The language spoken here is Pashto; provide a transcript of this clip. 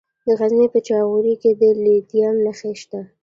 د غزني په جاغوري کې د لیتیم نښې شته.